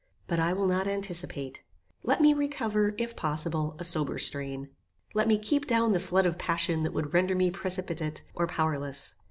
But I will not anticipate. Let me recover if possible, a sober strain. Let me keep down the flood of passion that would render me precipitate or powerless.